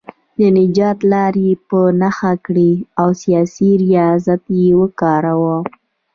د نجات لارې یې په نښه کړې او سیاسي ریاضت یې کاوه.